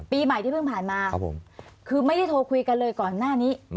ปีใหม่ที่เพิ่งผ่านมาคือไม่ได้โทรคุยกันเลยก่อนหน้านี้